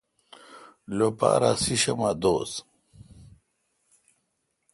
لوپارہ سیشمہ دوس